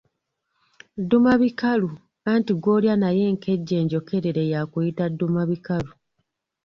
Ddumabikalu, anti gw’olya naye enkejje enjokerere yakuyita ddumabikalu.